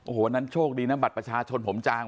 โอ้โหวันนั้นโชคดีนะบัตรประชาชนผมจาง